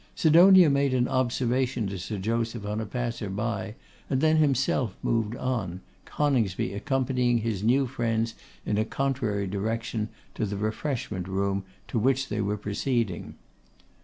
Sidonia made an observation to Sir Joseph on a passer by, and then himself moved on; Coningsby accompanying his new friends, in a contrary direction, to the refreshment room, to which they were proceeding.